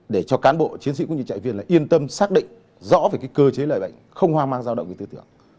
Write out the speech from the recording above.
để cho cán bộ chiến sĩ và trại viên yên tâm xác định rõ về cơ chế lây bệnh không hoang mang giao động về tư tưởng